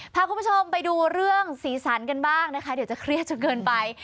พาคุณผู้ชมไปดูเรื่องสีสันกันบ้างนะคะเดี๋ยวจะเครียดจนเกินไป